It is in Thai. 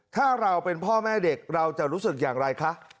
ถ้าเราเป็นพ่อแม่เด็กเราจะรู้สึกอย่างไรคะ